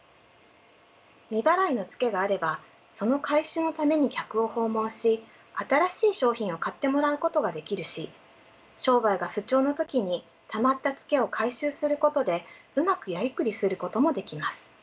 未払いのツケがあればその回収のために客を訪問し新しい商品を買ってもらうことができるし商売が不調の時にたまったツケを回収することでうまくやりくりすることもできます。